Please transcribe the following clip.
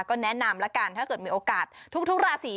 ก็แนะนำละกันถ้าเกิดมีโอกาสทุกราศี